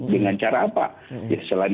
dengan cara apa selain